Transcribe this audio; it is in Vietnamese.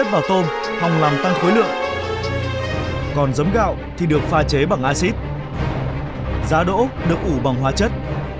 còn giống gạo thì được pha chế bằng acid giá đỗ được ủ bằng hóa chất